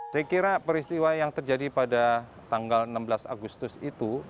saya kira peristiwa yang terjadi pada tanggal enam belas agustus itu